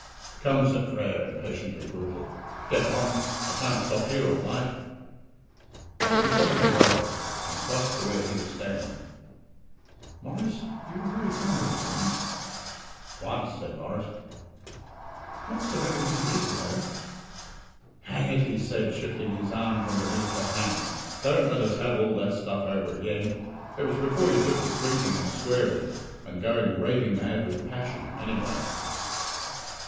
"Come," said Frere, impatiently brutal, "get on. I can't stop here all night." She suddenly rose, and crossed to where he was standing. "Maurice, you were very fond of me once." "Once," said Maurice. "Not so very many years ago." "Hang it!" said he, shifting his arm from beneath her hand, "don't let us have all that stuff over again. It was before you took to drinking and swearing, and going raving mad with passion, any way."